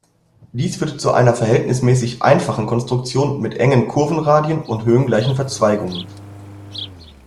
Dies führte zu einer verhältnismäßig einfachen Konstruktion mit engen Kurvenradien und höhengleichen Verzweigungen.